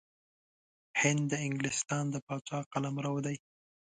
هند د انګلستان د پاچا قلمرو دی.